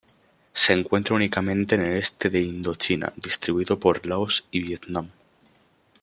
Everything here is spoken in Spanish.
Se encuentra únicamente en el este de Indochina, distribuido por Laos y Vietnam.